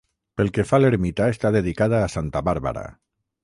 Pel que fa a l'ermita, està dedicada a Santa Bàrbara.